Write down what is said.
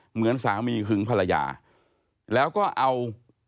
เหมือนสามีหึงภรรยาแล้วก็เอา